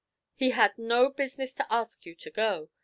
"He had no business to ask you to go.